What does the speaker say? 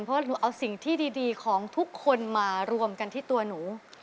เพราะหนูเอาสิ่งที่ดีของทุกคนมารวมกันที่ตัวหนู